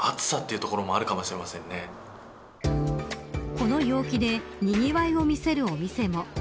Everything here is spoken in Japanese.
この陽気でにぎわいを見せるお店も。